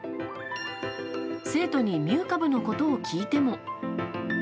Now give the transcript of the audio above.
生徒にミュー株のことを聞いても。